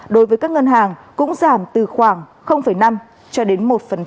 đối với các ngân hàng cũng giảm từ khoảng năm cho đến một